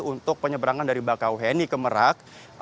untuk penyeberangan dari bakauheni ke merak